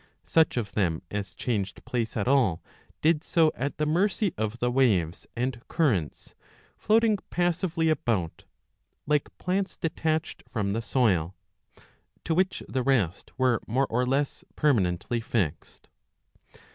Such of them as changed place at all did so ajt the mercy of the waves and currents, floating passively about " like plants detached from the soil "; to which the rest were more or less permanently fixed.